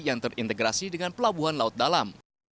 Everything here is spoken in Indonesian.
yang terintegrasi dengan pelabuhan laut dalam